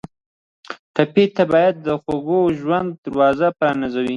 ټپي ته باید د خوږ ژوند دروازه پرانیزو.